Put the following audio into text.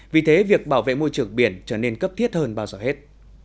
vì thế việc bảo vệ môi trường biển trở nên cấp thiết hơn bao giờ hết